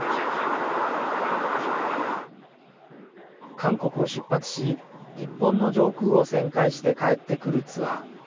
韓国を出発し、日本の上空を旋回して帰ってくるツアー。